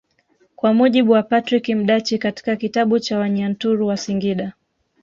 Kwa mujibu wa Patrick Mdachi katika kitabu cha Wanyaturu wa Singida